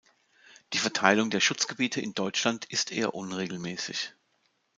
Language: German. Die Verteilung der Schutzgebiete in Deutschland ist eher unregelmäßig.